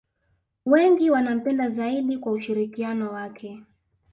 wengi wanampenda zaidi kwa ushirikiano wake